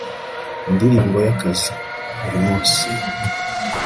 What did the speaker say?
indirimbo y'akazi, buri munsi